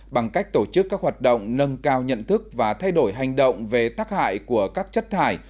bằng cách tổ chức các hoạt động nâng cao nhận thức và thay đổi hành động về tác hại của các chất thải